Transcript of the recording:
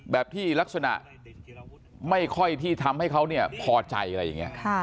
แบบที่ลักษณะไม่ค่อยที่ทำให้เขาเนี่ยพอใจอะไรอย่างนี้